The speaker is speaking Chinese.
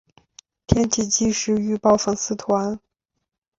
天气即时预报粉丝团